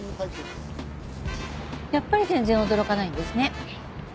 やっぱり全然驚かないんですね。